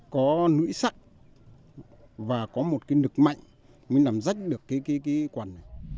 có nữ sắc và có một nực mạnh mới làm rách được quần